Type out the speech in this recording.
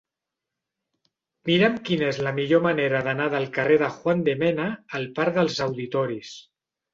Mira'm quina és la millor manera d'anar del carrer de Juan de Mena al parc dels Auditoris.